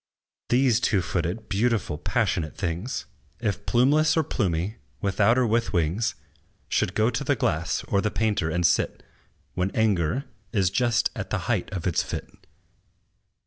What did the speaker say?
These two footed, beautiful, passionate things, If plumeless or plumy, without or with wings, Should go to the glass, or the painter, and sit When anger is just at the height of its fit.